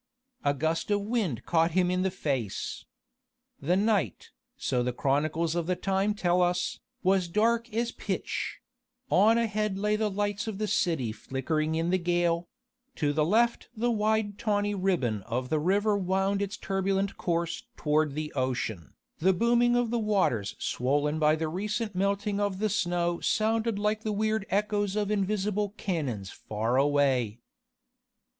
A gust of wind caught him in the face. The night, so the chronicles of the time tell us, was as dark as pitch: on ahead lay the lights of the city flickering in the gale: to the left the wide tawny ribbon of the river wound its turbulent course toward the ocean, the booming of the waters swollen by the recent melting of the snow sounded like the weird echoes of invisible cannons far away.